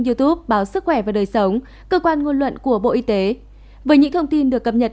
youtube báo sức khỏe và đời sống cơ quan ngôn luận của bộ y tế với những thông tin được cập nhật